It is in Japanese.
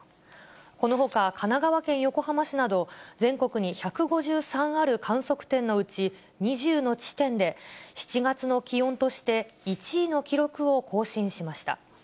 このほか、神奈川県横浜市など、全国に１５３ある観測点のうち、２０の地点で、７月の気温として１位の記録を更新しました。